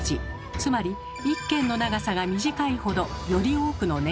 つまり１間の長さが短いほどより多くの年貢がとれるということ。